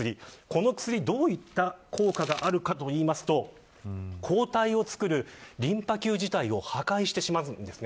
この薬は、どういった効果があるかといいますと抗体を作るリンパ球自体を破壊してしまうんです。